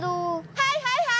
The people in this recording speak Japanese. はいはいはい！